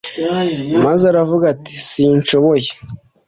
maze aravuga ati sinshoboye